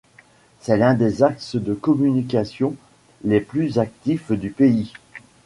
C'est l'un des axes de communication les plus actifs du pays.